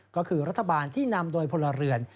ก็คือรัฐบาลที่นำโดยพลเรือน